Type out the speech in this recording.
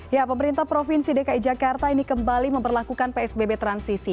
ya pemerintah provinsi dki jakarta ini kembali memperlakukan psbb transisi